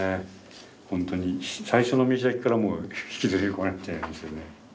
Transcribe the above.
ほんとに最初の見開きからもう引きずり込まれちゃいますよね。